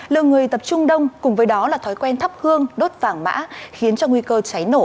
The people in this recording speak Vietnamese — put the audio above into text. lượng người tập trung đông cùng với đó là thói quen thắp hương đốt vàng mã khiến cho nguy cơ cháy nổ